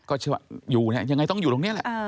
ก็เชื่อว่าอยู่เนี่ยยังไงต้องอยู่ตรงนี้แหละ